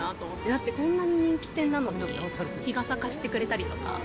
だってこんなに人気店なのに、日傘貸してくれたりとか。